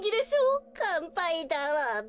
かんぱいだわべ。